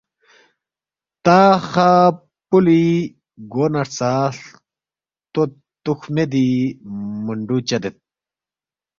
تا خا پولوی گو نہ ہرژا ہلتود توکھ میدی منڈو چدید